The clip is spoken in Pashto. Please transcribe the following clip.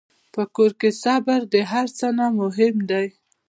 په کور کې صبر د هر څه نه مهم دی.